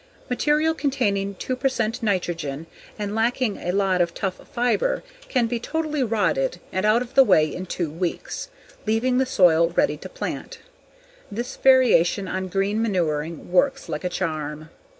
Material containing 2 percent nitrogen and lacking a lot of tough fiber can be totally rotted and out of the way in two weeks, leaving the soil ready to plant. This variation on green manuring works like a charm.